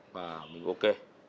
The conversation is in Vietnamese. và mình ok